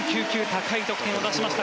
高い得点を出しました。